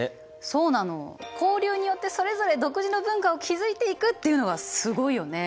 そうなの交流によってそれぞれ独自の文化を築いていくっていうのがすごいよね。